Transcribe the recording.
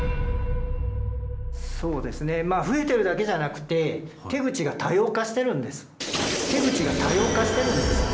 そうですねまあ増えてるだけじゃなくて「手口が多様化」？